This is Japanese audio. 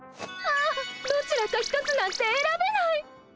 ああどちらか一つなんてえらべない！